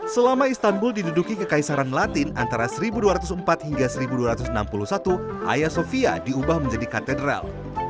selama istanbul diduduki kekaisaran latin antara seribu dua ratus empat hingga seribu dua ratus enam puluh satu ayasofia diubah menjadi katedral